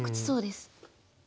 そうです。